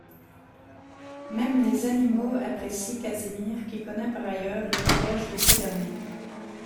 Même les animaux apprécient Casimir, qui connaît par ailleurs le langage de ces derniers.